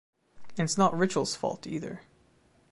And it's not Ritchel's fault either